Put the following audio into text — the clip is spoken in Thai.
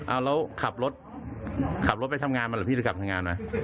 เอาแล้วขับรถขับรถไปทำงานมาหรือพี่จะกลับทำงานไหม